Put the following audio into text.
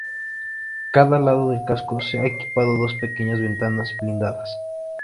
Cada lado del casco se ha equipado dos pequeñas ventanas blindadas.